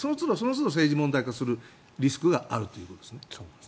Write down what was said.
そのつど、政治問題化するリスクがあるということですね。